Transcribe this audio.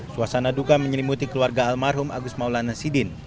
suasana duka menyelimuti keluarga almarhum agus maulana sidin